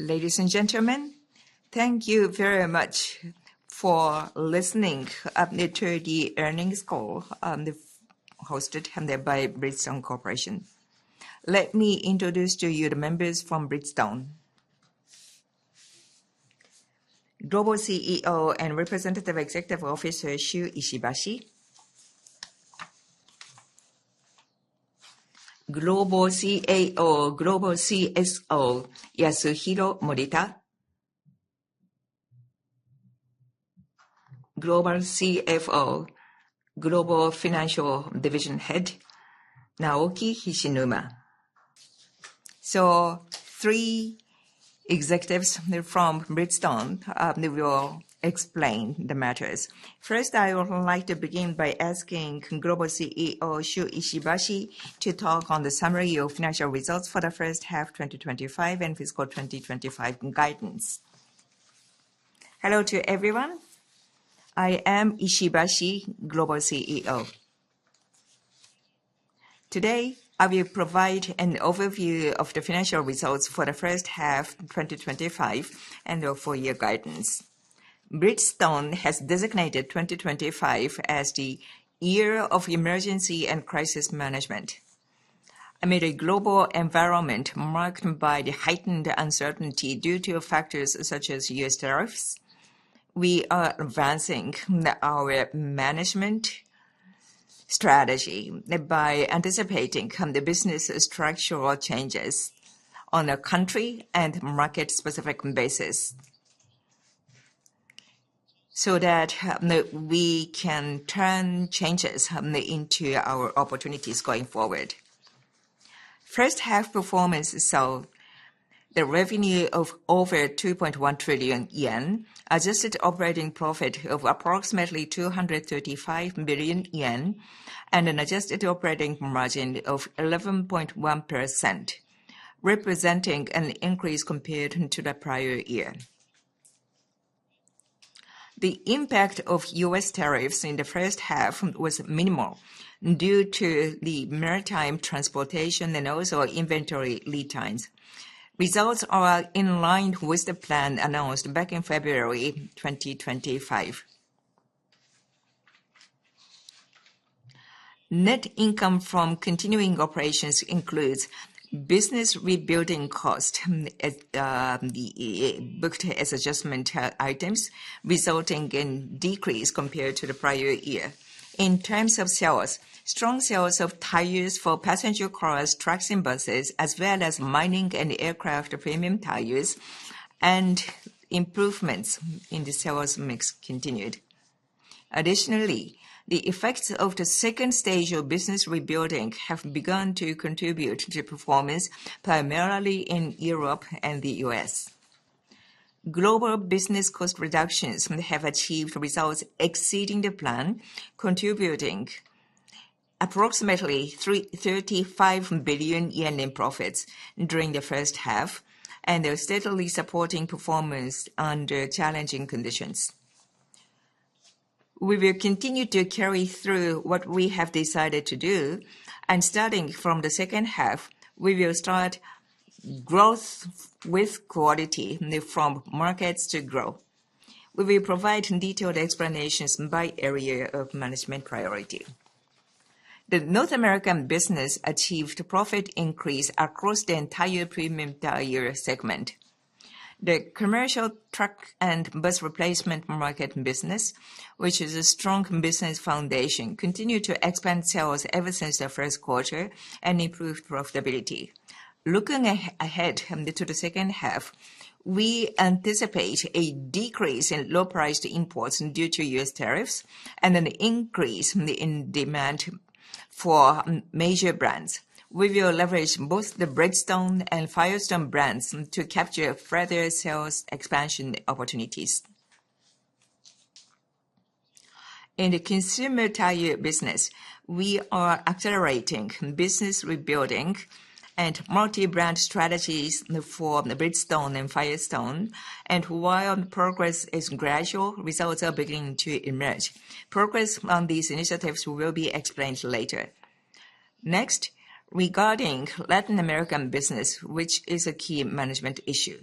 Ladies and gentlemen, thank you very much for listening to the earnings call hosted by Bridgestone Corporation. Let me introduce to you the members from Bridgestone: Global CEO and Representative Executive Officer, Shuichi Ishibashi, Global CAO, Global CSO, Yasuhiro Morita, Global CFO, Global Financial Division Head, Naoki Hishinuma. Three executives from Bridgestone will explain the matters. First, I would like to begin by asking Global CEO Shuichi Ishibashi to talk on the summary of financial results for the first half of 2025 and fiscal 2025 guidance. Hello to everyone. I am Ishibashi, Global CEO. Today, I will provide an overview of the financial results for the first half of 2025 and the full-year guidance. Bridgestone has designated 2025 as the Year of Emergency and Crisis Management. Amid a global environment marked by heightened uncertainty due to factors such as U.S. tariffs, we are advancing our management strategy by anticipating the business structural changes on a country and market-specific basis so that we can turn changes into our opportunities going forward. First half performance saw a revenue of over 2.1 trillion yen, adjusted operating profit of approximately 235 billion yen, and an adjusted operating margin of 11.1%, representing an increase compared to the prior year. The impact of U.S. tariffs in the first half was minimal due to the maritime transportation and also inventory lead times. Results are in line with the plan announced back in February 2025. Net income from continuing operations includes business rebuilding costs booked as adjustment items, resulting in a decrease compared to the prior year. In terms of sales, strong sales of tires for passenger cars, trucks, and buses, as well as mining and aircraft premium tires, and improvements in the sales mix continued. Additionally, the effects of the second stage of business rebuilding have begun to contribute to performance, primarily in Europe and the U.S. Global business cost reductions have achieved results exceeding the plan, contributing approximately 35 billion yen in profits during the first half and steadily supporting performance under challenging conditions. We will continue to carry through what we have decided to do, and starting from the second half, we will start growth with quality from markets to grow. We will provide detailed explanations by area of management priority. The North American business achieved a profit increase across the entire premium tire segment. The commercial truck and bus replacement market business, which is a strong business foundation, continued to expand sales ever since the first quarter and improved profitability. Looking ahead to the second half, we anticipate a decrease in low-priced imports due to U.S. tariffs and an increase in demand for major brands. We will leverage both the Bridgestone and Firestone brands to capture further sales expansion opportunities. In the consumer tire business, we are accelerating business rebuilding and multi-brand strategies for Bridgestone and Firestone, and while progress is gradual, results are beginning to emerge. Progress on these initiatives will be explained later. Next, regarding Latin American business, which is a key management issue,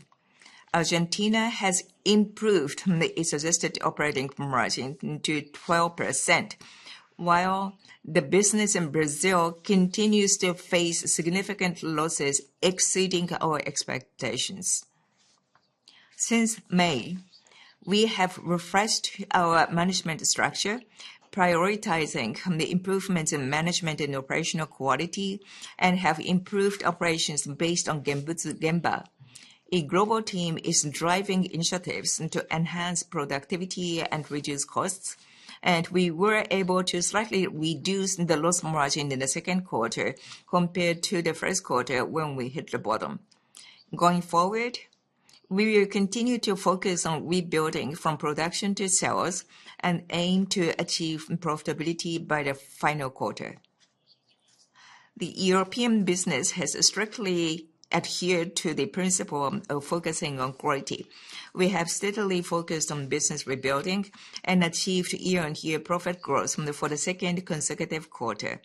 Argentina has improved its adjusted operating margin to 12%, while the business in Brazil continues to face significant losses exceeding our expectations. Since May, we have refreshed our management structure, prioritizing improvements in management and operational quality, and have improved operations based on Gembutsu Gemba. A global team is driving initiatives to enhance productivity and reduce costs, and we were able to slightly reduce the loss margin in the second quarter compared to the first quarter when we hit the bottom. Going forward, we will continue to focus on rebuilding from production to sales and aim to achieve profitability by the final quarter. The European business has strictly adhered to the principle of focusing on quality. We have steadily focused on business rebuilding and achieved year-on-year profit growth for the second consecutive quarter.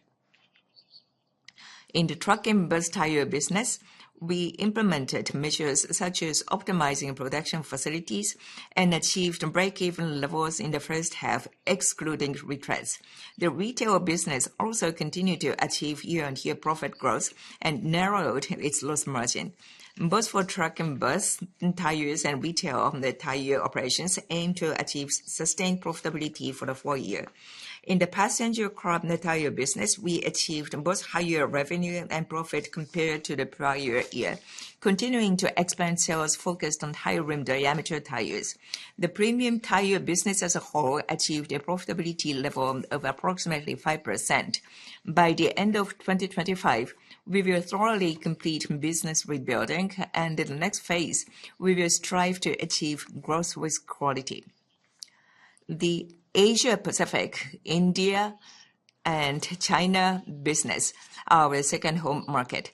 In the truck and bus tire business, we implemented measures such as optimizing production facilities and achieved break-even levels in the first half, excluding retreads. The retail business also continued to achieve year-on-year profit growth and narrowed its loss margin. Both for truck and bus tires and retail tire operations aim to achieve sustained profitability for the fourth year. In the passenger car tire business, we achieved both higher revenue and profit compared to the prior year, continuing to expand sales focused on higher rim diameter tires. The premium tire business as a whole achieved a profitability level of approximately 5%. By the end of 2025, we will thoroughly complete business rebuilding, and in the next phase, we will strive to achieve growth with quality. The Asia-Pacific, India, and China business, our second home market,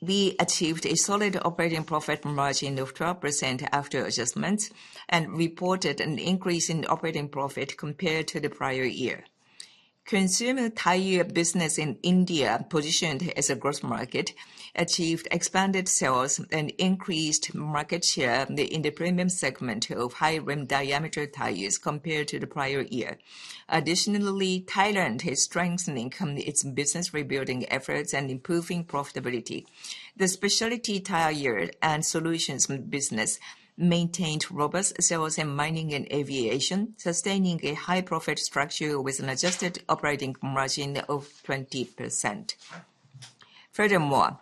we achieved a solid operating profit margin of 12% after adjustments and reported an increase in operating profit compared to the prior year. Consumer tire business in India, positioned as a growth market, achieved expanded sales and increased market share in the premium segment of high-rim diameter tires compared to the prior year. Additionally, Thailand is strengthening its business rebuilding efforts and improving profitability. The specialty tire and solutions business maintained robust sales in mining and aviation, sustaining a high-profit structure with an adjusted operating margin of 20%. Furthermore,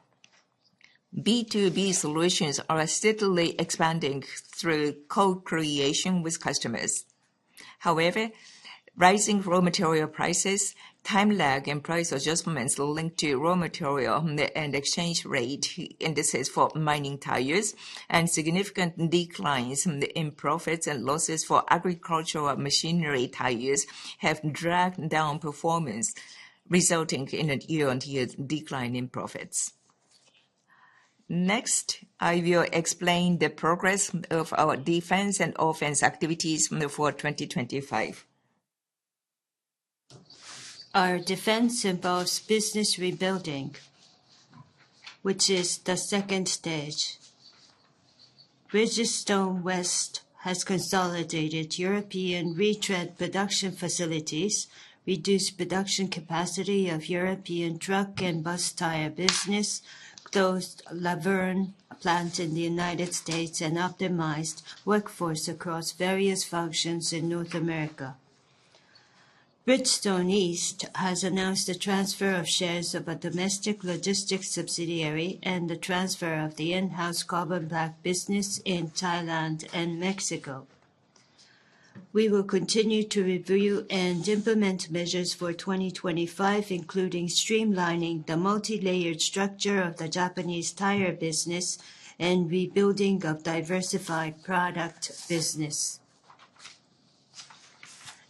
B2B solutions are steadily expanding through co-creation with customers. However, rising raw material prices, time lag, and price adjustments linked to raw material and exchange rate indices for mining tires, and significant declines in profits and losses for agricultural machinery tires have dragged down performance, resulting in a year-on-year decline in profits. Next, I will explain the progress of our defense and offense activities for 2025. Our defense involves business rebuilding, which is the second stage. Bridgestone West has consolidated European retread production facilities, reduced production capacity of European truck and bus tire business, closed Laverne plant in the U.S., and optimized workforce across various functions in North America. Bridgestone East has announced the transfer of shares of a domestic logistics subsidiary and the transfer of the in-house carbon black business in Thailand and Mexico. We will continue to review and implement measures for 2025, including streamlining the multi-layered structure of the Japanese tire business and rebuilding a diversified product business.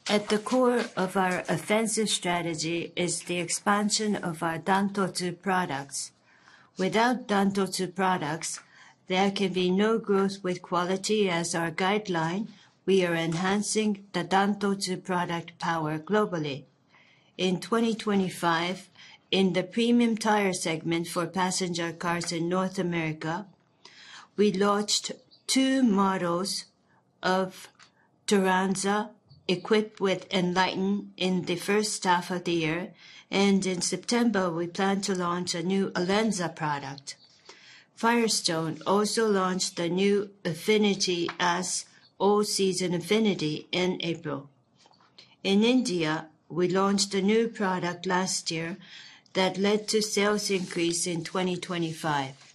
At the core of our offensive strategy is the expansion of our Dantotsu products. Without Dantotsu products, there can be no growth with quality as our guideline. We are enhancing the Dantotsu product power globally. In 2025, in the premium tire segment for passenger cars in North America, we launched two models of Turanza equipped with ENLITEN® in the first half of the year, and in September, we plan to launch a new Alenza product. Firestone also launched the new Affinity S, all-season Affinity in April. In India, we launched a new product last year that led to sales increase in 2025.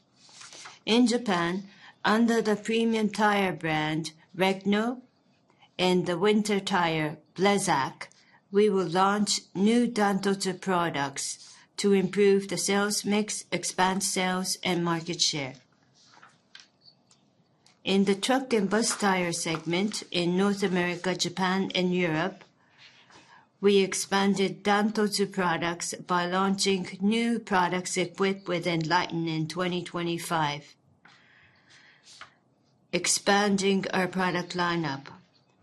In Japan, under the premium tire brand Regno and the winter tire Blizzak, we will launch new Dantotsu products to improve the sales mix, expand sales, and market share. In the truck and bus tire segment in North America, Japan, and Europe, we expanded Dantotsu products by launching new products equipped with ENLITEN® in 2025. Expanding our product lineup,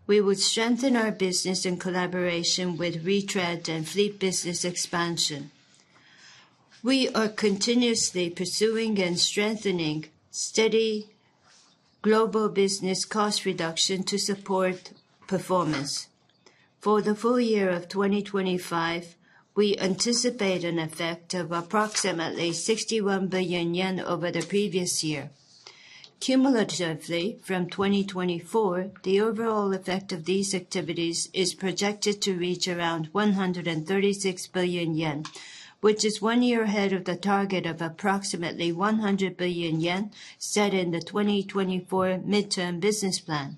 we will strengthen our business in collaboration with retread and fleet business expansion. We are continuously pursuing and strengthening steady global business cost reduction to support performance. For the full year of 2025, we anticipate an effect of approximately 61 billion yen over the previous year. Cumulatively, from 2024, the overall effect of these activities is projected to reach around 136 billion yen, which is one year ahead of the target of approximately 100 billion yen set in the 2024 midterm business plan.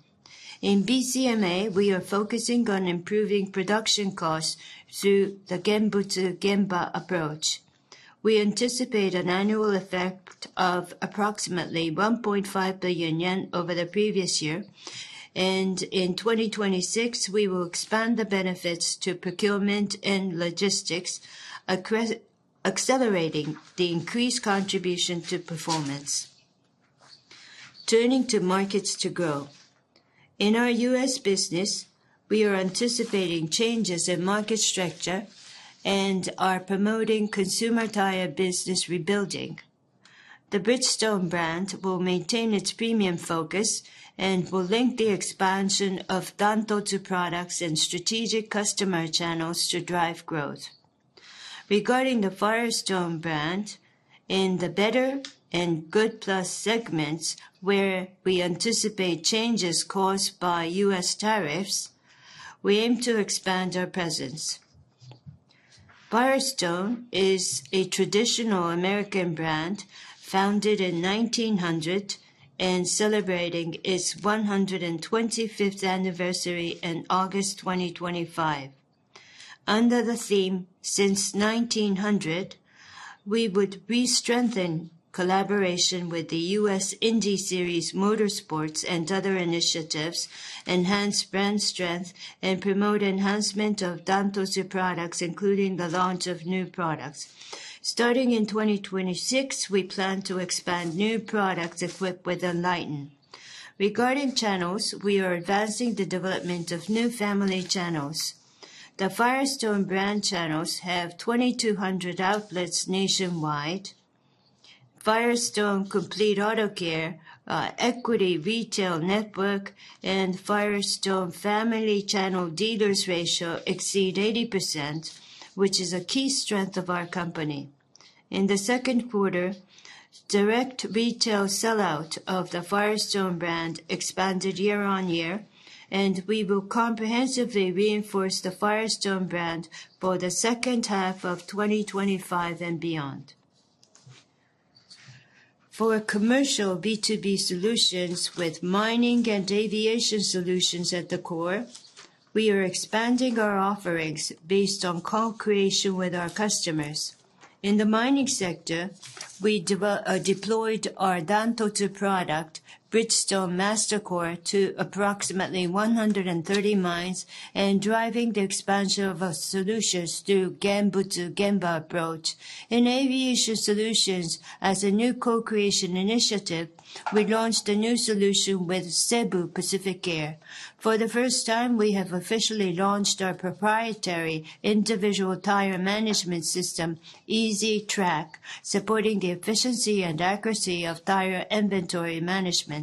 In BCMA, we are focusing on improving production costs through the Gembutsu Gemba approach. We anticipate an annual effect of approximately 1.5 billion yen over the previous year, and in 2026, we will expand the benefits to procurement and logistics, accelerating the increased contribution to performance. Turning to markets to grow, in our U.S. business, we are anticipating changes in market structure and are promoting consumer tire business rebuilding. The Bridgestone brand will maintain its premium focus and will link the expansion of Dantotsu products and strategic customer channels to drive growth. Regarding the Firestone brand, in the Better and Good Plus segments, where we anticipate changes caused by U.S. tariffs, we aim to expand our presence. Firestone is a traditional American brand founded in 1900 and celebrating its 125th anniversary in August 2025. Under the theme "Since 1900," we would re-strengthen collaboration with the US Indy Series Motorsports and other initiatives, enhance brand strength, and promote enhancement of Dantotsu products, including the launch of new products. Starting in 2026, we plan to expand new products equipped with ENLITEN® regarding channels. We are advancing the development of new family channels. The Firestone brand channels have 2,200 outlets nationwide. Firestone Complete Auto Care Equity Retail Network and Firestone Family Channel Dealers ratio exceed 80%, which is a key strength of our company. In the second quarter, direct retail sellout of the Firestone brand expanded year-on-year, and we will comprehensively reinforce the Firestone brand for the second half of 2025 and beyond. For commercial B2B solutions with mining and aviation solutions at the core, we are expanding our offerings based on co-creation with our customers. In the mining sector, we deployed our Dantotsu product, Bridgestone Mastercore, to approximately 130 mines and driving the expansion of our solutions through Gembutsu Gemba approach. In aviation solutions, as a new co-creation initiative, we launched a new solution with Cebu Pacific Air. For the first time, we have officially launched our proprietary individual tire management system, Easy Track, supporting the efficiency and accuracy of tire inventory management.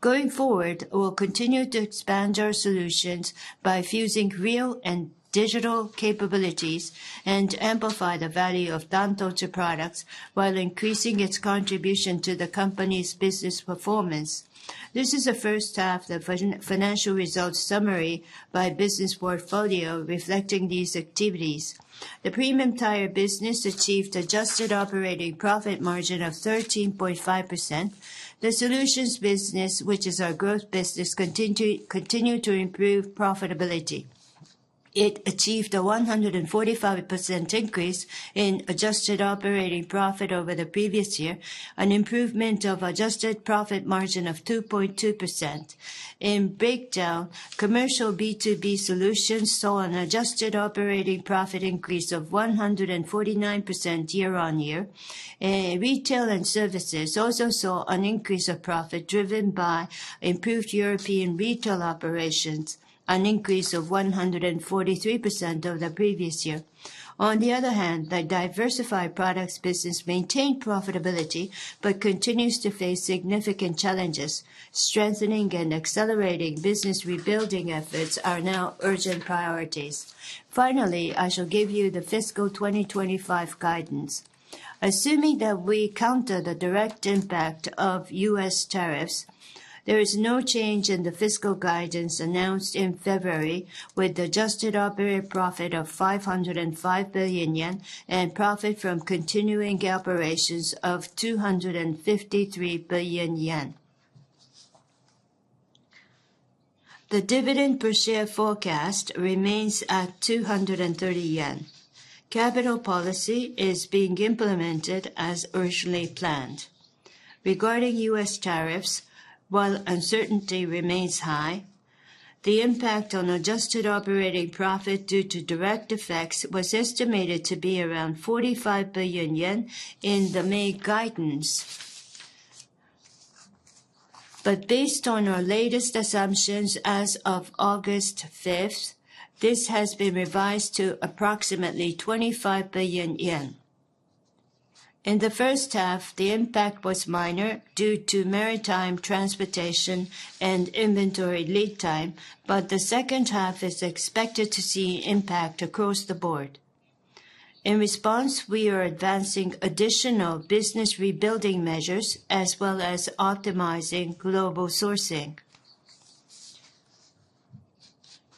Going forward, we will continue to expand our solutions by fusing real and digital capabilities and amplify the value of Dantotsu products while increasing its contribution to the company's business performance. This is the first half of the financial results summary by business portfolio reflecting these activities. The premium tire business achieved an adjusted operating profit margin of 13.5%. The solutions business, which is our growth business, continued to improve profitability. It achieved a 145% increase in adjusted operating profit over the previous year, an improvement of an adjusted profit margin of 2.2%. In retail, commercial B2B solutions saw an adjusted operating profit increase of 149% year-on-year. Retail and services also saw an increase of profit driven by improved European retail operations, an increase of 143% over the previous year. On the other hand, the diversified products business maintained profitability but continues to face significant challenges. Strengthening and accelerating business rebuilding efforts are now urgent priorities. Finally, I shall give you the fiscal 2025 guidance. Assuming that we counter the direct impact of U.S. tariffs, there is no change in the fiscal guidance announced in February with the adjusted operating profit of 505 billion yen and profit from continuing operations of 253 billion yen. The dividend per share forecast remains at 230 yen. Capital policy is being implemented as originally planned. Regarding U.S. tariffs, while uncertainty remains high, the impact on adjusted operating profit due to direct effects was estimated to be around 45 billion yen in the May guidance. Based on our latest assumptions as of August 5, this has been revised to approximately 25 billion yen. In the first half, the impact was minor due to maritime transportation and inventory lead time, but the second half is expected to see impact across the board. In response, we are advancing additional business rebuilding measures as well as optimizing global sourcing.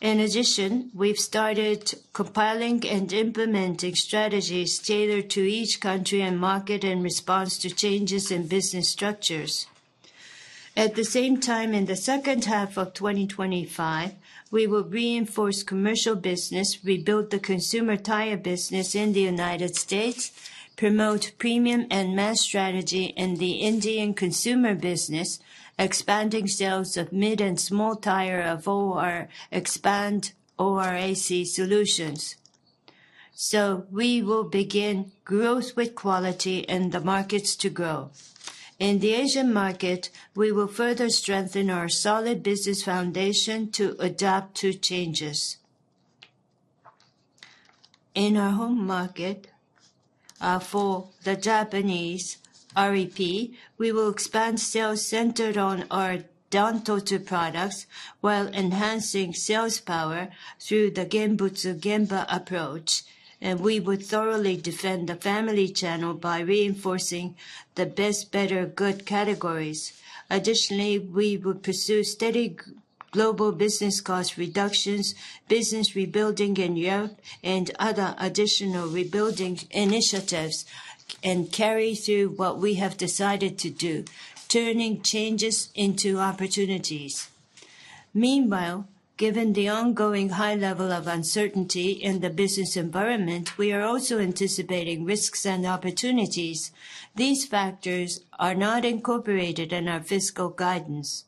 In addition, we've started compiling and implementing strategies tailored to each country and market in response to changes in business structures. At the same time, in the second half of 2025, we will reinforce commercial business, rebuild the consumer tire business in the U.S., promote premium and mass strategy in the Indian consumer business, expanding sales of mid and small tire of our expand ORAC solutions. We will begin growth with quality in the markets to grow. In the Asian market, we will further strengthen our solid business foundation to adapt to changes. In our home market, for the Japanese REP, we will expand sales centered on our Dantotsu products while enhancing sales power through the Gembutsu Gemba approach, and we would thoroughly defend the family channel by reinforcing the best, better, good categories. Additionally, we would pursue steady global business cost reductions, business rebuilding in Europe, and other additional rebuilding initiatives and carry through what we have decided to do, turning changes into opportunities. Meanwhile, given the ongoing high level of uncertainty in the business environment, we are also anticipating risks and opportunities. These factors are not incorporated in our fiscal guidance.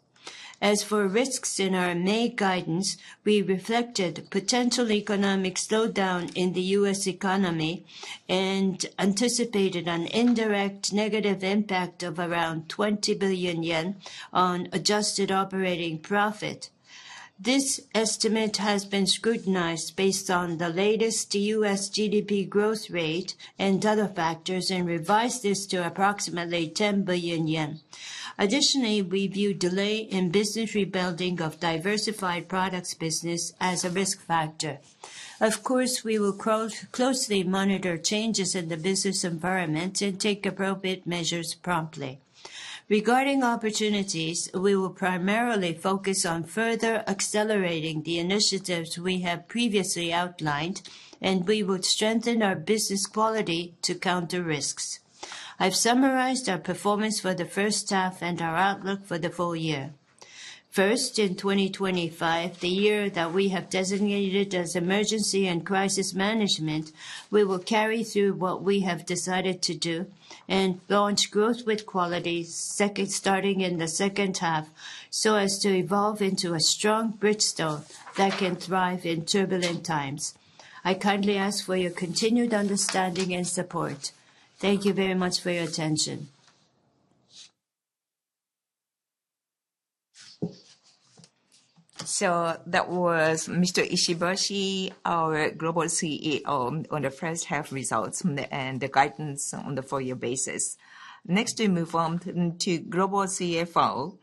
As for risks in our May guidance, we reflected potential economic slowdown in the U.S. economy and anticipated an indirect negative impact of around 20 billion yen on adjusted operating profit. This estimate has been scrutinized based on the latest U.S. GDP growth rate and other factors and revised this to approximately 10 billion yen. Additionally, we view delay in business rebuilding of diversified products business as a risk factor. Of course, we will closely monitor changes in the business environment and take appropriate measures promptly. Regarding opportunities, we will primarily focus on further accelerating the initiatives we have previously outlined, and we would strengthen our business quality to counter risks. I've summarized our performance for the first half and our outlook for the full year. First, in 2025, the year that we have designated as emergency and crisis management, we will carry through what we have decided to do and launch growth with quality, starting in the second half, so as to evolve into a strong Bridgestone that can thrive in turbulent times. I kindly ask for your continued understanding and support. Thank you very much for your attention. That was Mr. Ishibashi, our Global CEO, on the first half results and the guidance on the four-year basis. Next, we move on to Global CFO,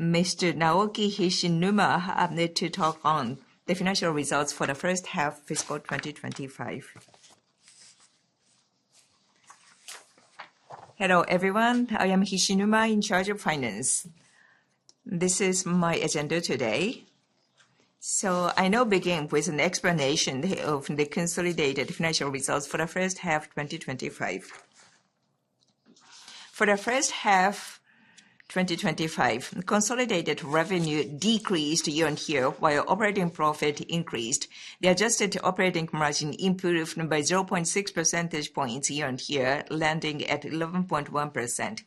Mr. Naoki Hishinuma, who will talk on the financial results for the first half of fiscal 2025. Hello, everyone. I am Hishinuma in charge of finance. This is my agenda today. I now begin with an explanation of the consolidated financial results for the first half of 2025. For the first half of 2025, consolidated revenue decreased year-on-year while operating profit increased. The adjusted operating margin improved by 0.6 percentage points year-on-year, landing at 11.1%.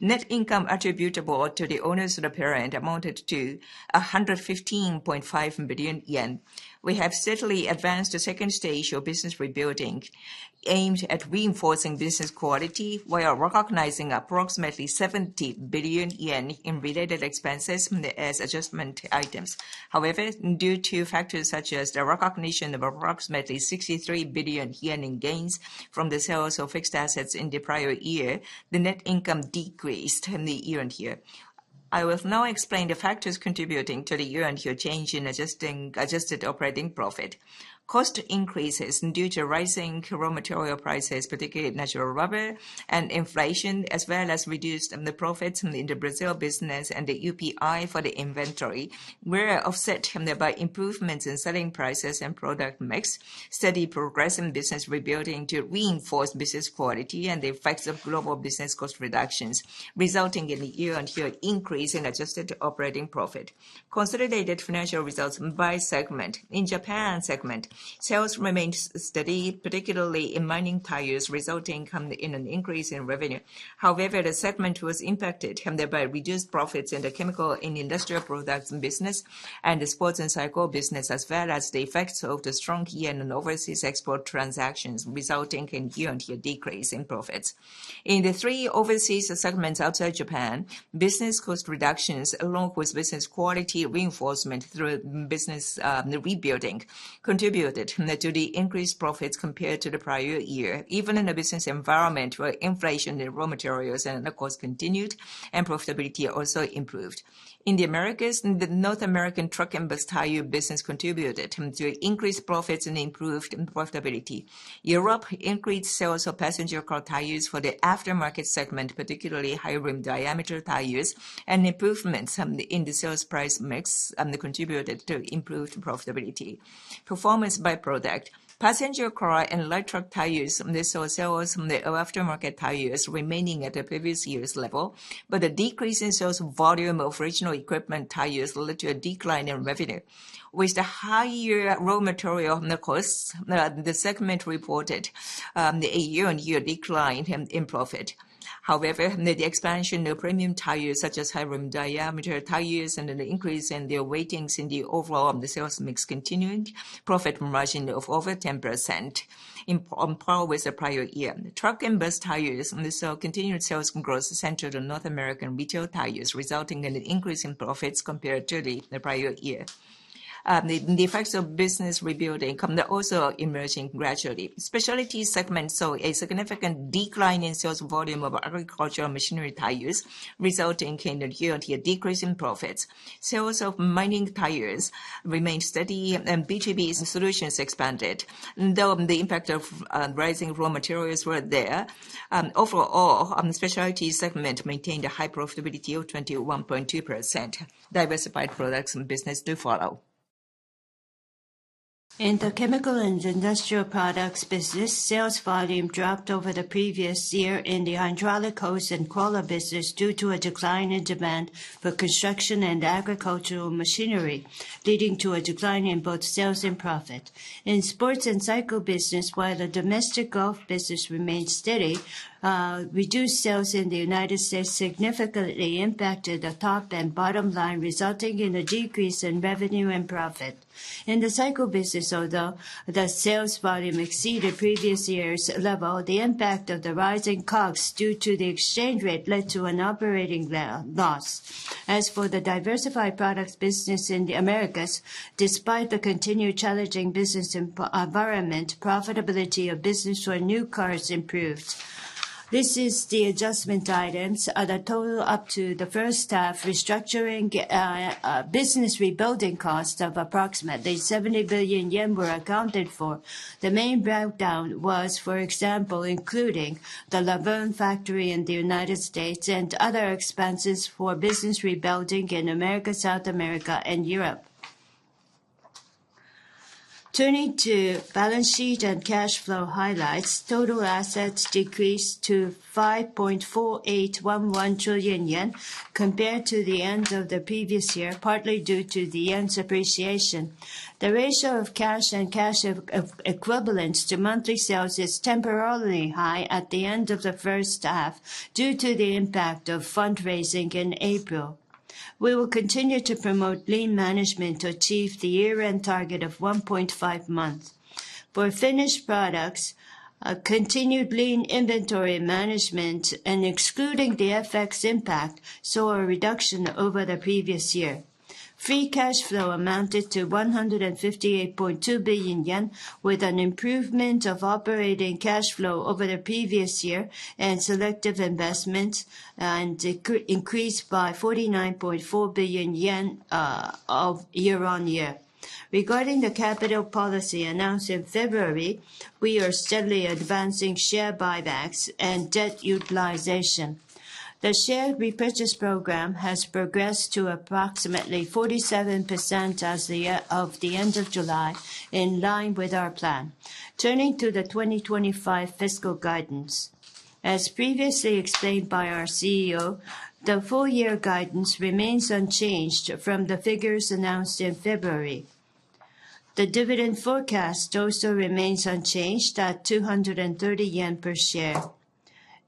Net income attributable to the owners of the parent amounted to 115.5 billion yen. We have steadily advanced the second stage of business rebuilding, aimed at reinforcing business quality while recognizing approximately 70 billion yen in related expenses as adjustment items. However, due to factors such as the recognition of approximately 63 billion yen in gains from the sales of fixed assets in the prior year, the net income decreased year-on-year. I will now explain the factors contributing to the year-on-year change in adjusted operating profit. Cost increases due to rising raw material prices, particularly natural rubber, and inflation, as well as reduced profits in the Brazil business and the UPI for the inventory, were offset by improvements in selling prices and product mix. Steady progress in business rebuilding to reinforce business quality and the effects of global business cost reductions resulted in a year-on-year increase in adjusted operating profit. Consolidated financial results by segment. In the Japan segment, sales remained steady, particularly in mining tires, resulting in an increase in revenue. However, the segment was impacted by reduced profits in the chemical and industrial products business and the sports and cycle business, as well as the effects of the strong yen and overseas export transactions, resulting in a year-on-year decrease in profits. In the three overseas segments outside Japan, business cost reductions, along with business quality reinforcement through business rebuilding, contributed to the increased profits compared to the prior year, even in a business environment where inflation in raw materials and costs continued and profitability also improved. In the Americas, the North American truck and bus tire business contributed to increased profits and improved profitability. Europe increased sales of passenger car tires for the aftermarket segment, particularly high-rim diameter tires, and improvements in the sales price mix contributed to improved profitability. Performance by product. Passenger car and light truck tires saw sales of aftermarket tires remaining at the previous year's level, but a decrease in sales volume of regional equipment tires led to a decline in revenue. With the higher raw material costs, the segment reported a year-on-year decline in profit. However, the expansion of premium tires such as high-rim diameter tires and an increase in their weightings in the overall sales mix continued profit margin of over 10% in par with the prior year. Truck and bus tires saw continued sales growth centered on North American retail tires, resulting in an increase in profits compared to the prior year. The effects of business rebuilding are also emerging gradually. Specialty segments saw a significant decline in sales volume of agricultural machinery tires, resulting in a year-on-year decrease in profits. Sales of mining tires remained steady, and B2B solutions expanded, though the impact of rising raw materials was there. Overall, the specialty segment maintained a high profitability of 21.2%. Diversified products and businesses do follow. In the chemical and industrial products business, sales volume dropped over the previous year in the hydraulic coast and coal business due to a decline in demand for construction and agricultural machinery, leading to a decline in both sales and profit. In sports and cycle business, while the domestic golf business remained steady, reduced sales in the United States significantly impacted the top and bottom line, resulting in a decrease in revenue and profit. In the cycle business, although the sales volume exceeded previous year's level, the impact of the rising costs due to the exchange rate led to an operating loss. As for the diversified products business in the Americas, despite the continued challenging business environment, profitability of business for new cars improved. This is the adjustment guidance. The total up to the first half, restructuring business rebuilding costs of approximately 70 billion yen were accounted for. The main breakdown was, for example, including the Laverne factory in the United States and other expenses for business rebuilding in America, South America, and Europe. Turning to balance sheet and cash flow highlights, total assets decreased to 5.4811 trillion yen compared to the end of the previous year, partly due to the yen's appreciation. The ratio of cash and cash equivalents to monthly sales is temporarily high at the end of the first half due to the impact of fundraising in April. We will continue to promote lean management to achieve the year-end target of 1.5 months. For Finnish products, continued lean inventory management, excluding the FX impact, saw a reduction over the previous year. Free cash flow amounted to 158.2 billion yen, with an improvement of operating cash flow over the previous year and selective investments increased by 49.4 billion yen year-on-year. Regarding the capital policy announced in February, we are steadily advancing share buybacks and debt utilization. The share repurchase program has progressed to approximately 47% as of the end of July, in line with our plan. Turning to the 2025 fiscal guidance. As previously explained by our CEO, the four-year guidance remains unchanged from the figures announced in February. The dividend forecast also remains unchanged at 230 yen/share.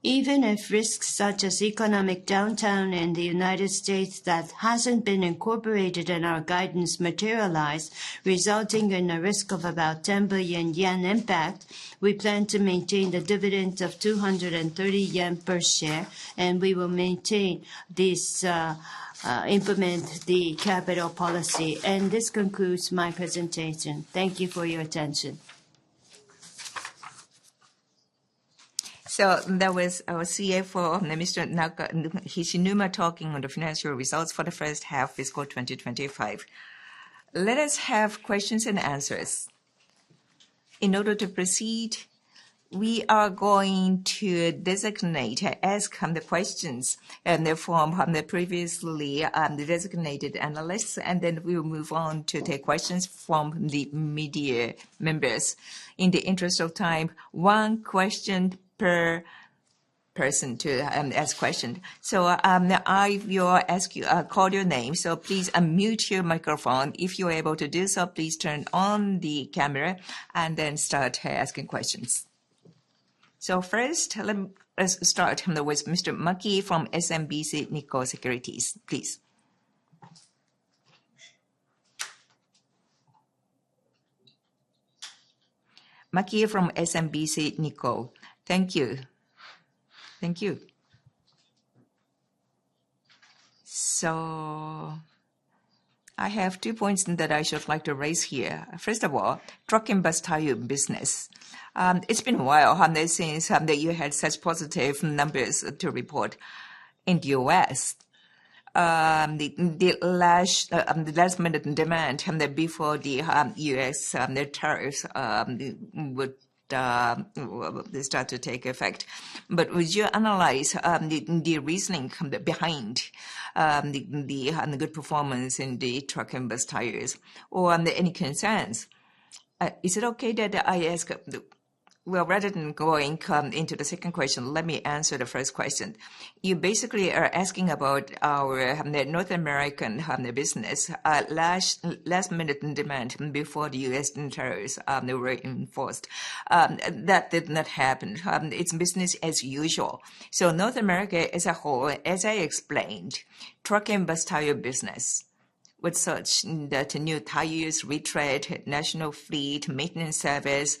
Even if risks such as economic downturn in the U.S. that haven't been incorporated in our guidance materialize, resulting in a risk of about 10 billion yen impact, we plan to maintain the dividend of 230 yen/share, and we will maintain this, implement the capital policy. This concludes my presentation. Thank you for your attention. That was our CFO, Mr. Naoki Hishinuma, talking on the financial results for the first half of fiscal 2025. Let us have questions and answers. In order to proceed, we are going to designate and ask the questions from the previously designated analysts, and then we will move on to take questions from the media members. In the interest of time, one question per person to ask questions. I will call your name, so please mute your microphone. If you are able to do so, please turn on the camera and then start asking questions. Let's start with Mr. Maki from SMBC Nikko Securities. Please. Maki from SMBC Nikko. Thank you. Thank you. I have two points that I would like to raise here. First of all, truck and bus tire business. It's been a while since you had such positive numbers to report in the U.S. The last minute in demand before the U.S. tariffs would start to take effect. Would you analyze the reasoning behind the good performance in the truck and bus tires? Any concerns? Is it okay that I ask? Rather than going into the second question, let me answer the first question. You basically are asking about our North American business. Last minute in demand before the U.S. tariffs were enforced. That did not happen. It's business as usual. North America as a whole, as I explained, truck and bus tire business, with such that new tires, retread, national fleet, maintenance service,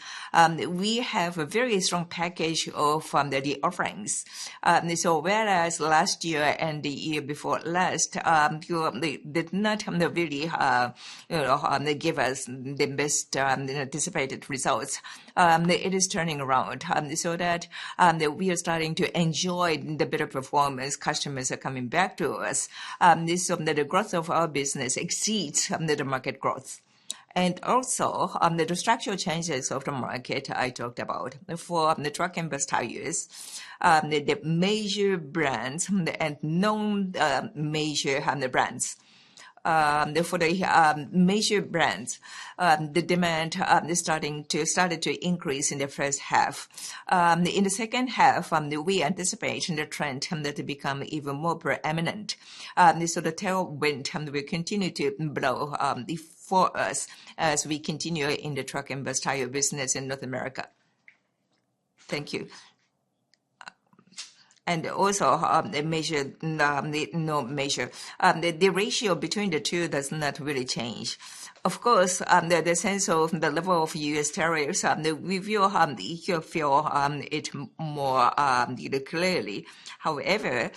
we have a very strong package of the offerings. Whereas last year and the year before last did not really give us the best anticipated results, it is turning around so that we are starting to enjoy the better performance. Customers are coming back to us. The growth of our business exceeds the market growth. Also, the structural changes of the market I talked about for the truck and bus tires, the major brands and non-major brands. For the major brands, the demand is starting to increase in the first half. In the second half, we anticipate the trend to become even more preeminent. The tailwind will continue to blow for us as we continue in the truck and bus tire business in North America. Thank you. Also, the major, non-major, the ratio between the two does not really change. Of course, the sense of the level of U.S. tariffs, we feel it more clearly. However,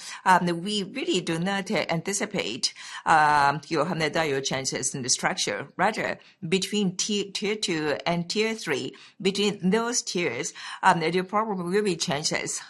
we really do not anticipate direct changes in the structure. Rather, between tier two and tier three, between those tiers, there probably will be changes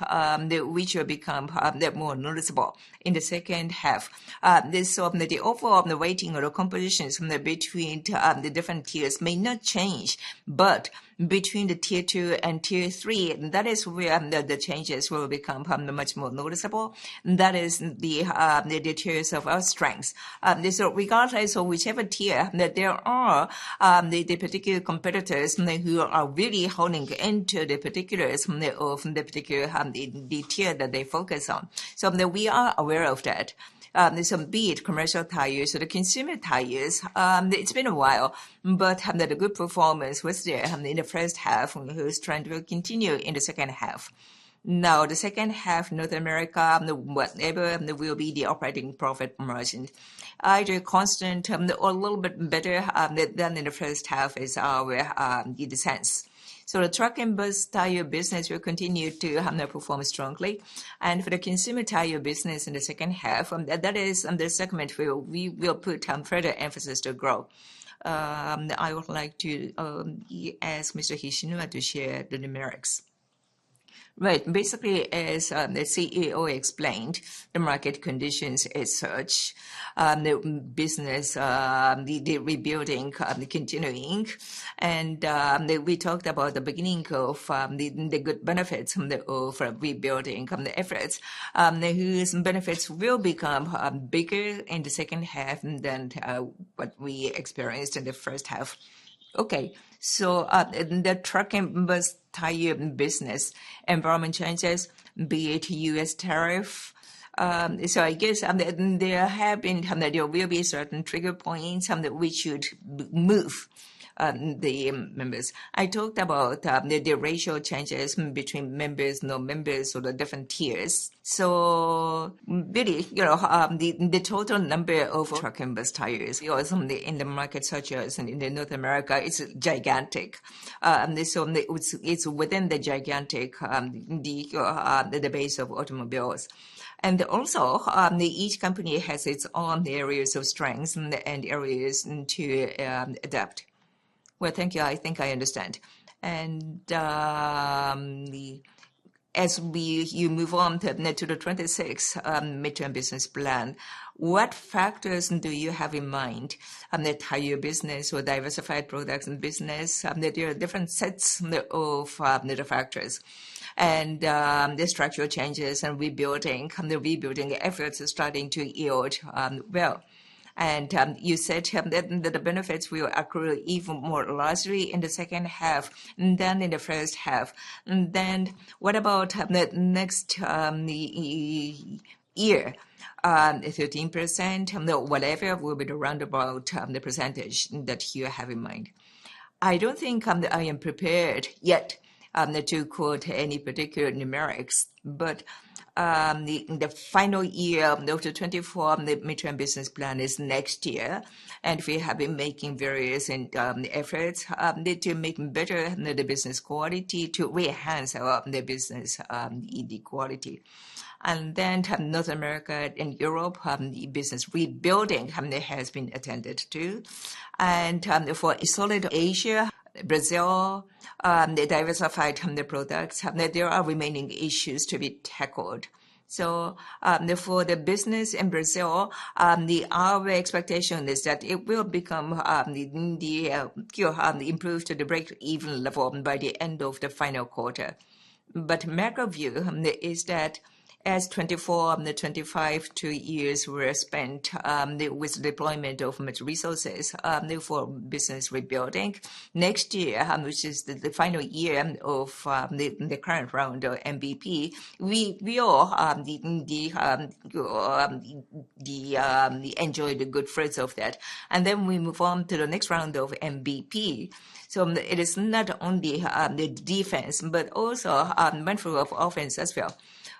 which will become more noticeable in the second half. The overall weighting or composition between the different tiers may not change, but between the tier two and tier three, that is where the changes will become much more noticeable. That is the tiers of our strength. Regardless of whichever tier, there are the particular competitors who are really honing into the particulars of the particular tier that they focus on. We are aware of that. Be it commercial tires or the consumer tires, it's been a while, but the good performance was there in the first half and is trying to continue in the second half. Now, the second half, North America, whatever will be the operating profit margin, either constant or a little bit better than in the first half is our good sense. The truck and bus tire business will continue to perform strongly. For the consumer tire business in the second half, that is the segment where we will put further emphasis to grow. I would like to ask Mr. Hishinuma to share the numerics. Right. Basically, as the CEO explained, the market conditions are such. The business, the rebuilding is continuing. We talked about the beginning of the good benefits of rebuilding efforts, whose benefits will become bigger in the second half than what we experienced in the first half. The truck and bus tire business environment changes, be it U.S. tariff? I guess there have been, there will be certain trigger points on which you'd move the members. I talked about the ratio changes between members, non-members, or the different tiers. Really, you know the total number of truck and bus tires in the market, such as in North America, is gigantic. It's within the gigantic base of automobiles. Also, each company has its own areas of strength and areas to adapt. Thank you. I think I understand. As we move on to the 2026 midterm business plan, what factors do you have in mind on the tire business or diversified products and business? There are different sets of factors. The structural changes and rebuilding efforts are starting to yield well. You said that the benefits will accrue even more largely in the second half than in the first half. What about the next year? 13% or whatever will be the roundabout percentage that you have in mind? I don't think I am prepared yet to quote any particular numerics, but the final year of the 2024 midterm business plan is next year. We have been making various efforts to make better the business quality, to re-enhance our business quality. North America and Europe business rebuilding has been attended to. For a solid Asia, Brazil, the diversified products, there are remaining issues to be tackled. For the business in Brazil, our expectation is that it will become improved to the break-even level by the end of the final quarter. The macro-view is that as 2024-2025 years were spent with the deployment of much resources for business rebuilding, next year, which is the final year of the current round of MVP, we all enjoy the good fruits of that. We move on to the next round of MVP. It is not only the defense, but also the mantra of offense as well.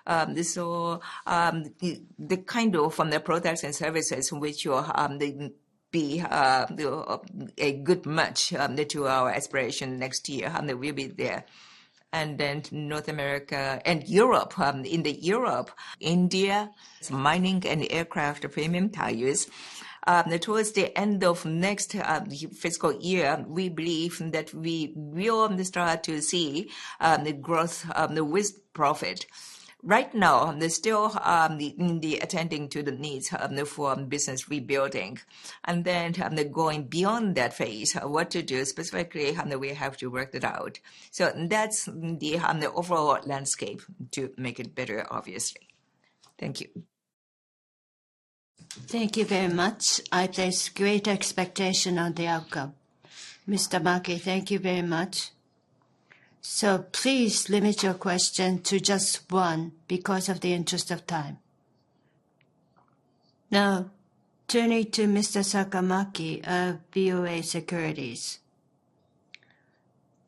The kind of products and services which will be a good match to our aspiration next year will be there. North America and Europe, in Europe, India, mining and aircraft premium tires. Towards the end of next fiscal year, we believe that we will start to see the growth with profit. Right now, they're still attending to the needs for business rebuilding. Going beyond that phase, what to do specifically, we have to work it out. That's the overall landscape to make it better, obviously. Thank you. Thank you very much. I place great expectation on the outcome. Mr. Maki, thank you very much. Please limit your question to just one because of the interest of time. Now, turning to Mr. Sakamaki of Daiwa Securities.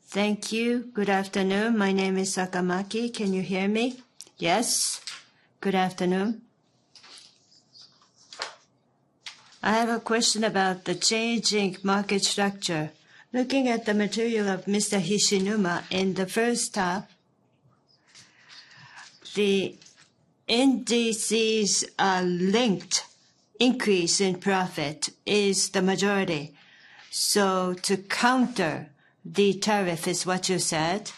Thank you. Good afternoon. My name is Shiro Sakamaki. Can you hear me? Yes. Good afternoon. I have a question about the changing market structure. Looking at the material of Mr. Naoki Hishinuma in the first half, the NDCs are linked. Increase in profit is the majority. To counter the tariff is what you said.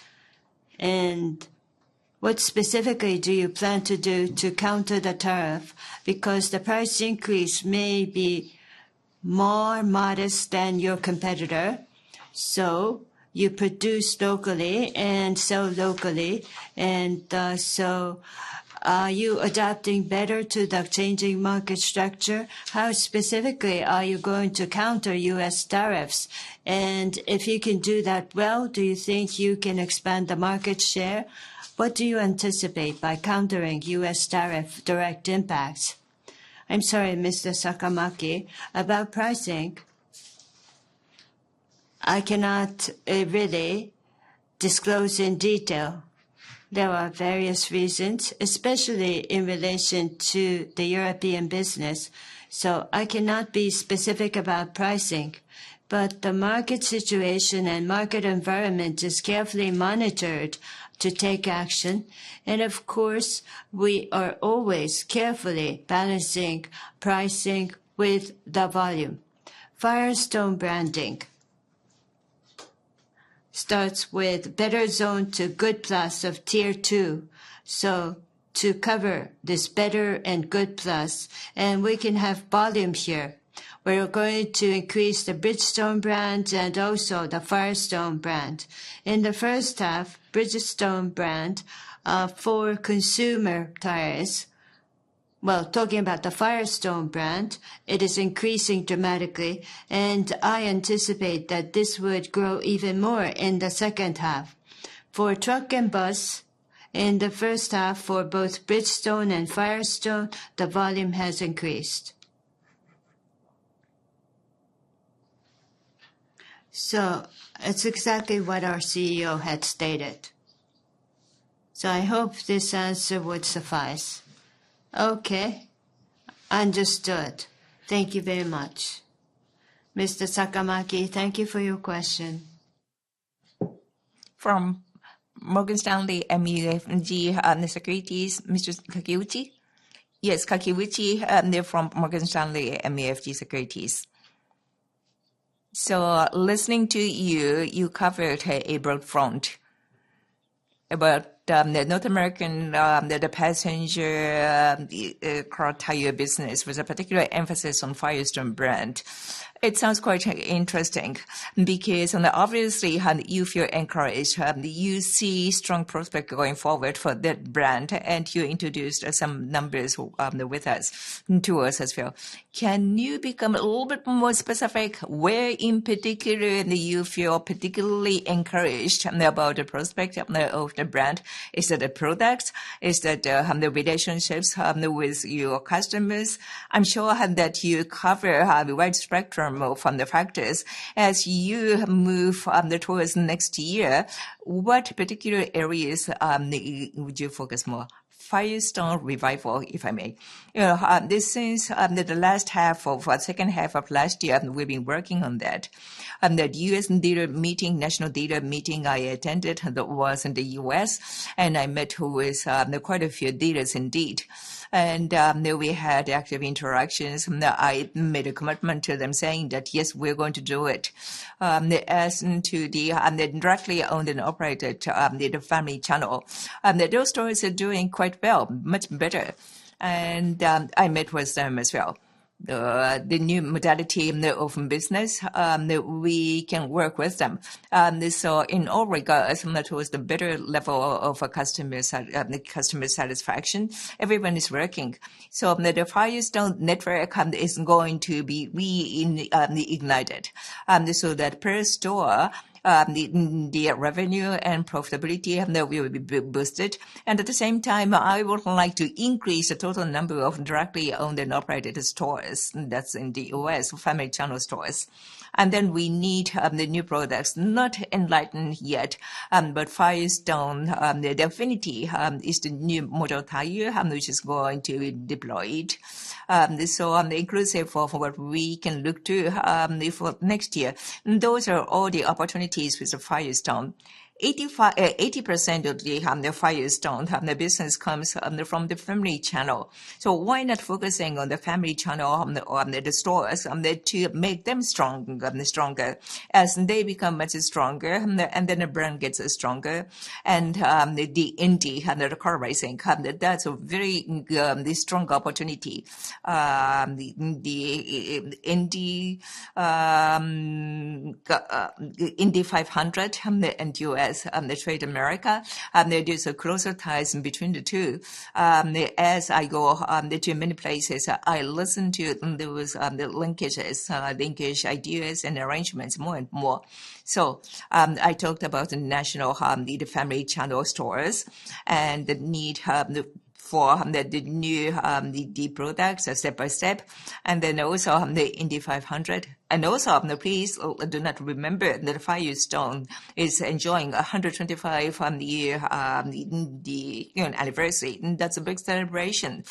What specifically do you plan to do to counter the tariff? The price increase may be more modest than your competitor. You produce locally and sell locally. Are you adapting better to the changing market structure? How specifically are you going to counter U.S. tariffs? If you can do that well, do you think you can expand the market share? What do you anticipate by countering U.S. tariff direct impacts? I'm sorry, Mr. Sakamaki, about pricing. I cannot really disclose in detail. There are various reasons, especially in relation to the European business. I cannot be specific about pricing. The market situation and market environment is carefully monitored to take action. Of course, we are always carefully balancing pricing with the volume. Firestone branding starts with better zone to good plus of tier two. To cover this better and good plus, we can have volume here. We're going to increase the Bridgestone brand and also the Firestone brand. In the first half, Bridgestone brand for consumer tires. Talking about the Firestone brand, it is increasing dramatically. I anticipate that this would grow even more in the second half. For truck and bus, in the first half for both Bridgestone and Firestone, the volume has increased. It's exactly what our CEO had stated. I hope this answer would suffice. Okay. Understood. Thank you very much. Mr. Sakamaki, thank you for your question. From Morgan Stanley MUFG Securities, Mr. Kakiuchi? Yes, Kakiuchi from Morgan Stanley MUFG Securities. Listening to you, you covered a broad front about the North American, the passenger car tire business with a particular emphasis on the Firestone brand. It sounds quite interesting because obviously you feel encouraged. You see strong prospects going forward for that brand, and you introduced some numbers to us as well. Can you become a little bit more specific? Where in particular do you feel particularly encouraged about the prospect of the brand? Is it the products? Is it the relationships with your customers? I'm sure that you cover a wide spectrum of the factors. As you move towards next year, what particular areas would you focus more? Firestone revival, if I may. Since the last half of the second half of last year, we've been working on that. The U.S. meeting, national data meeting I attended that was in the U.S., and I met with quite a few dealers indeed. We had active interactions. I made a commitment to them saying that, yes, we're going to do it. As to the directly owned and operated the family channel, those stores are doing quite well, much better. I met with them as well. The new modality of business that we can work with them. In all regards, that was the better level of customer satisfaction. Everyone is working. The Firestone network is going to be reignited. That per store, the revenue and profitability will be boosted. At the same time, I would like to increase the total number of directly owned and operated stores that's in the U.S., family channel stores. We need the new products, not ENLITEN® yet, but Firestone the Affinity is the new model tire which is going to be deployed. Inclusive of what we can look to for next year. Those are all the opportunities with the Firestone. 80% of the Firestone business comes from the family channel. Why not focusing on the family channel on the stores to make them stronger? As they become much stronger, and then the brand gets stronger. The Indy had a car racing, that's a very strong opportunity. The Indy 500 and the US Trade America, there's a close ties between the two. As I go to many places, I listen to those linkages, linkage ideas and arrangements more and more. I talked about the national, the family channel stores and the need for the new D products step-by-step. Also the Indy 500. Please do not remember that Firestone is enjoying its 125-year anniversary. That's a big celebration.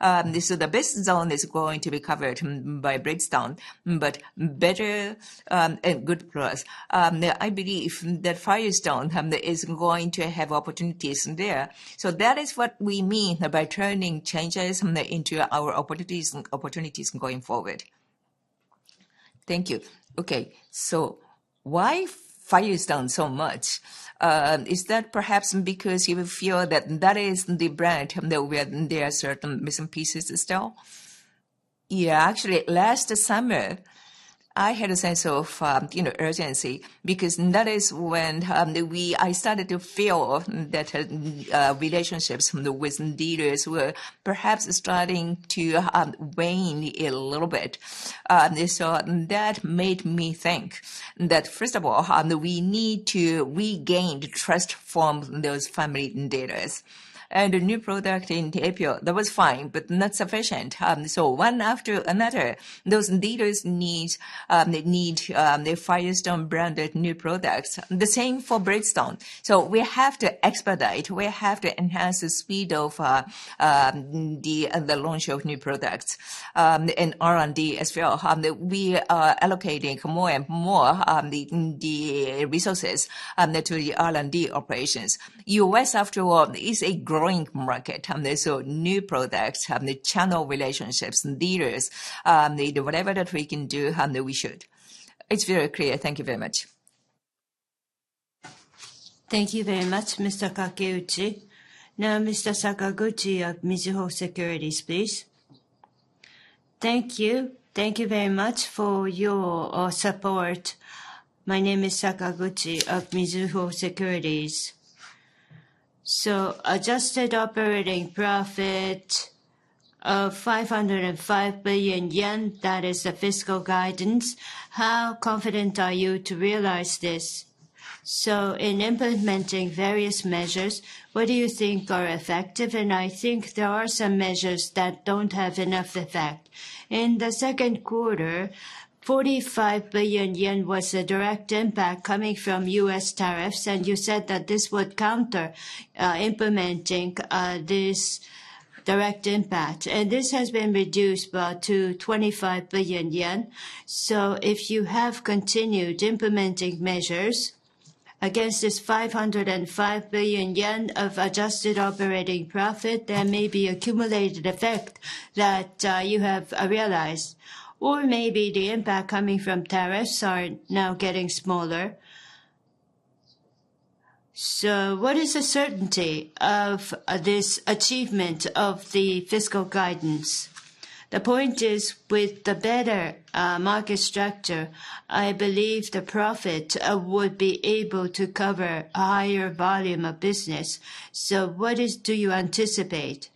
The best zone is going to be covered by Bridgestone, but better and good growth. I believe that Firestone is going to have opportunities there. That is what we mean by turning changes into our opportunities going forward. Thank you. Okay. Why Firestone so much? Is that perhaps because you feel that is the brand where there are certain missing pieces still? Actually, last summer I had a sense of urgency because that is when I started to feel that relationships with dealers were perhaps starting to wane a little bit. That made me think that, first of all, we need to regain the trust from those family dealers. The new product in April, that was fine, but not sufficient. One after another, those dealers need the Firestone branded new products. The same for Bridgestone. We have to expedite. We have to enhance the speed of the launch of new products. R&D as well. We are allocating more and more resources to the R&D operations. The U.S., after all, is a growing market. New products, channel relationships, dealers, whatever that we can do, we should. It's very clear. Thank you very much. Thank you very much, Mr. Kakiuchi. Now, Mr. Sakaguchi of Mizuho Securities, please. Thank you. Thank you very much for your support. My name is Sakaguchi of Mizuho Securities. Adjusted operating profit of 505 billion yen. That is the fiscal guidance. How confident are you to realize this? In implementing various measures, what do you think are effective? I think there are some measures that don't have enough effect. In the second quarter, 45 billion yen was a direct impact coming from U.S. tariffs. You said that this would counter implementing this direct impact. This has been reduced to 25 billion yen. If you have continued implementing measures against this 505 billion yen of adjusted operating profit, there may be accumulated effect that you have realized. Maybe the impact coming from tariffs is now getting smaller. What is the certainty of this achievement of the fiscal guidance? The point is, with the better market structure, I believe the profit would be able to cover a higher volume of business. What do you anticipate?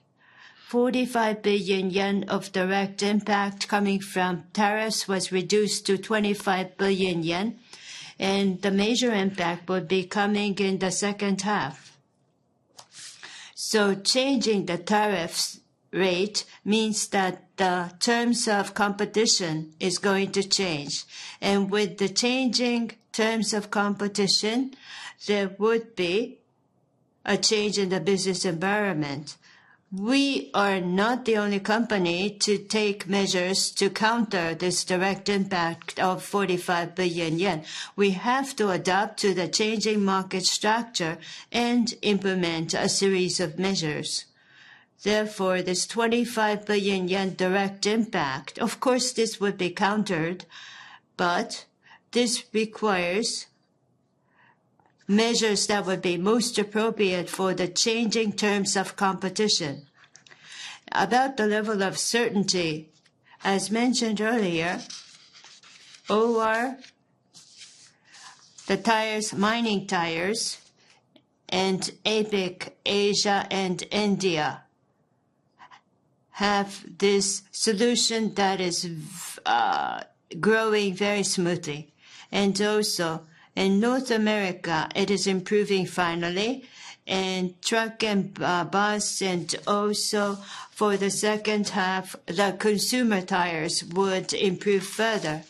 45 billion yen of direct impact coming from tariffs was reduced to 25 billion yen. The major impact would be coming in the second half. Changing the tariffs rate means that the terms of competition are going to change. With the changing terms of competition, there would be a change in the business environment. We are not the only company to take measures to counter this direct impact of 45 billion yen. We have to adapt to the changing market structure and implement a series of measures. Therefore, this 25 billion yen direct impact, of course, this would be countered. This requires measures that would be most appropriate for the changing terms of competition. About the level of certainty, as mentioned earlier, OR, the mining tires, and APAC Asia and India have this solution that is growing very smoothly. Also, in North America, it is improving finally. Truck and bus, and also for the second half, the consumer tires would improve further.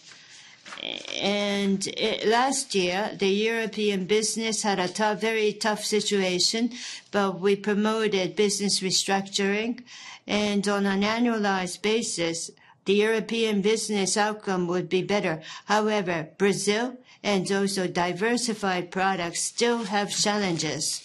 Last year, the European business had a very tough situation, but we promoted business restructuring. On an annualized basis, the European business outcome would be better. However, Brazil and also diversified products still have challenges.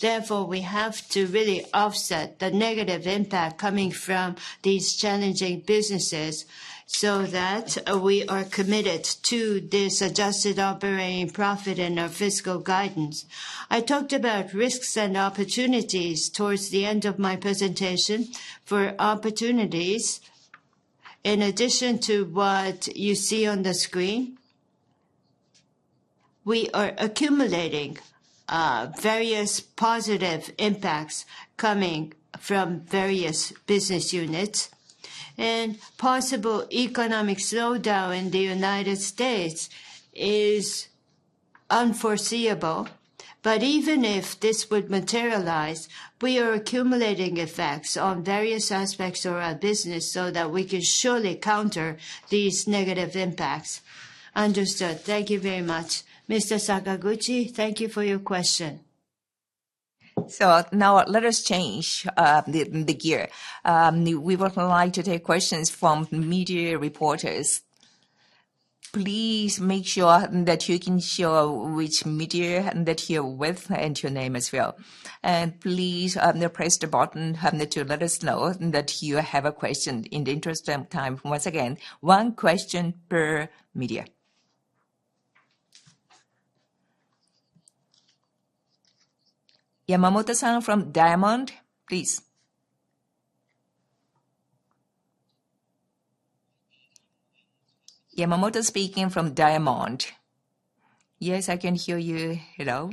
Therefore, we have to really offset the negative impact coming from these challenging businesses so that we are committed to this adjusted operating profit and our fiscal guidance. I talked about risks and opportunities towards the end of my presentation. For opportunities, in addition to what you see on the screen, we are accumulating various positive impacts coming from various business units. Possible economic slowdown in the U.S. is unforeseeable. Even if this would materialize, we are accumulating effects on various aspects of our business so that we can surely counter these negative impacts. Understood. Thank you very much. Mr. Sakaguchi, thank you for your question. Now let us change the gear. We would like to take questions from media reporters. Please make sure that you can show which media you're with and your name as well. Please press the button to let us know that you have a question. In the interest of time, once again, one question per media. Yamamoto-san from Diamond, please. Yamamoto speaking from Diamond. Yes, I can hear you. Hello.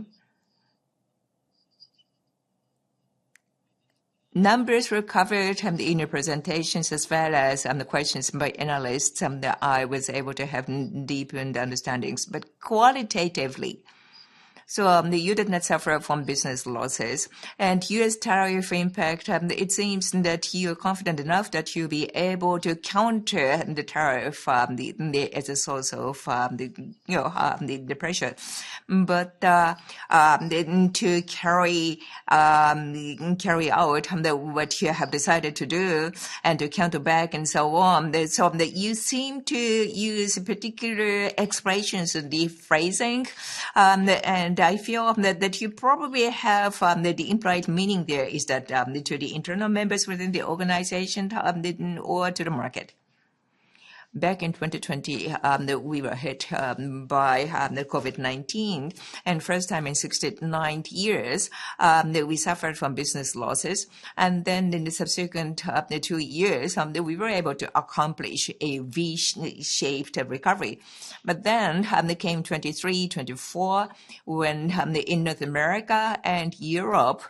Numbers were covered in your presentations as well as the questions by analysts, and I was able to have deepened understandings. Qualitatively, you did not suffer from business losses. The U.S. tariff impact, it seems that you're confident enough that you'll be able to counter the tariff as a source of the pressure. To carry out what you have decided to do and to counter back and so on, you seem to use particular expressions of deep phrasing. I feel that you probably have the implied meaning there is that to the internal members within the organization or to the market? Back in 2020, we were hit by COVID-19. For the first time in 69 years, we suffered from business losses. In the subsequent two years, we were able to accomplish a V-shaped recovery. Then came 2023, 2024, when in North America and Europe,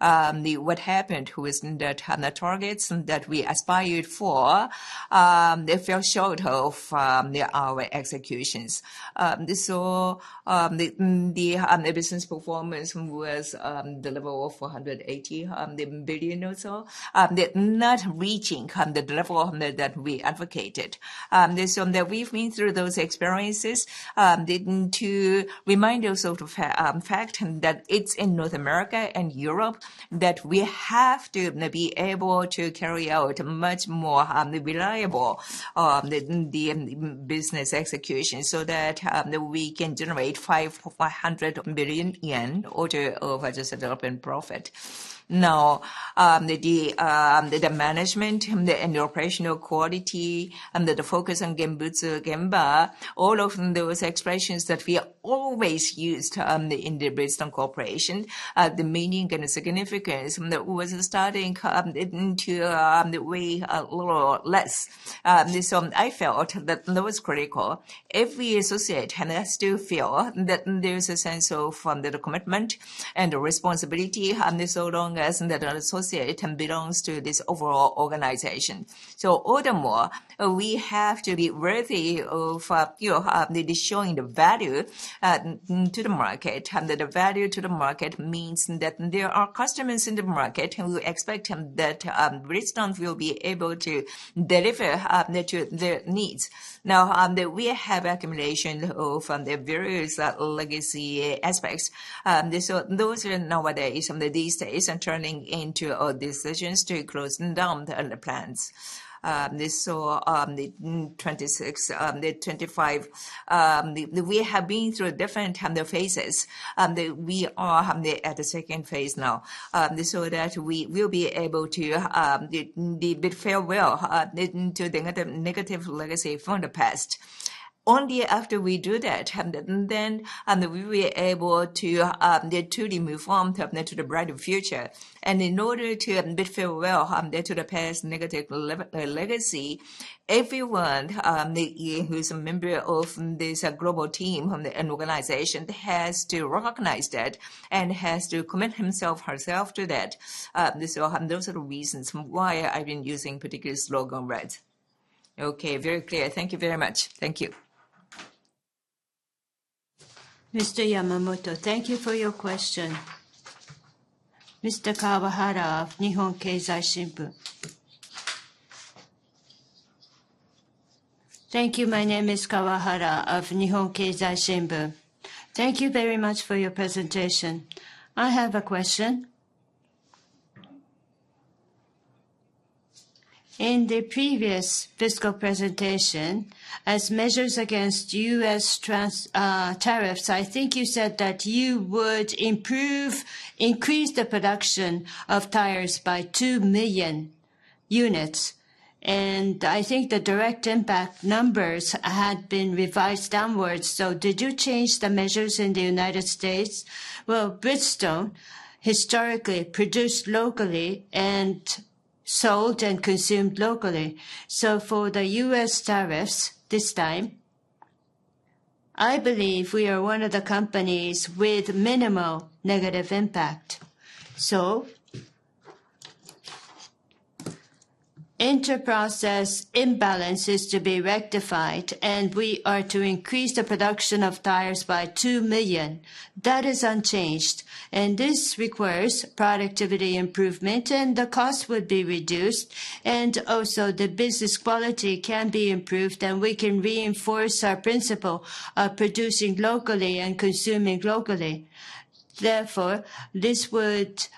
what happened was that the targets that we aspired for fell short of our executions. The business performance was the level of 480 billion or so, not reaching the level that we advocated. We've been through those experiences to remind us of the fact that it's in North America and Europe that we have to be able to carry out much more reliable business execution so that we can generate 500 billion yen or over the developing profit. The management and the operational quality, the focus on Gembutsu Gemba, all of those expressions that we always used in Bridgestone Corporation, the meaning and the significance was starting to weigh a little less. I felt that that was critical. If we associate, I still feel that there's a sense of the commitment and the responsibility so long as an associate belongs to this overall organization. All the more, we have to be worthy of showing the value to the market. The value to the market means that there are customers in the market who expect that Bridgestone will be able to deliver to their needs. We have accumulation of various legacy aspects. Those are nowadays, these days are turning into our decisions to close down the plans. The 2026, 2025, we have been through different phases. We are at the second phase now so that we will be able to fare well to the negative legacy from the past. Only after we do that, we will be able to truly move on to the brighter future. In order to fare well to the past negative legacy, everyone who is a member of this global team and organization has to recognize that and has to commit himself or herself to that. Those are the reasons why I've been using particular slogan words. Okay, very clear. Thank you very much. Thank you. Mr. Yamamoto, thank you for your question. Mr. Kawahara of Nihon Keizai Shimbun. Thank you. My name is Kawahara of Nihon Keizai Shimbun. Thank you very much for your presentation. I have a question. In the previous fiscal presentation, as measures against U.S. tariffs, I think you said that you would improve, increase the production of tires by 2 million units. I think the direct impact numbers had been revised downwards. Did you change the measures in the United States? Bridgestone historically produced locally and sold and consumed locally. For the U.S. tariffs this time, I believe we are one of the companies with minimal negative impact. Enterprise imbalance is to be rectified, and we are to increase the production of tires by 2 million. That is unchanged. This requires productivity improvement, and the cost would be reduced. Also, the business quality can be improved, and we can reinforce our principle of producing locally and consuming locally. Therefore, this would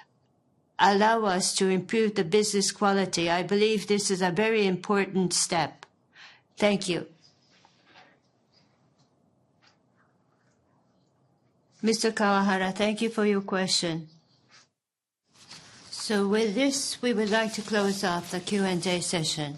allow us to improve the business quality. I believe this is a very important step. Thank you. Mr. Kawahara, thank you for your question. With this, we would like to close off the Q&A session.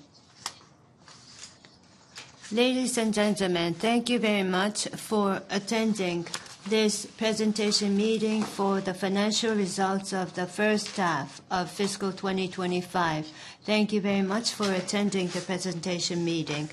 Ladies and gentlemen, thank you very much for attending this presentation meeting for the financial results of the first half of fiscal 2025. Thank you very much for attending the presentation meeting.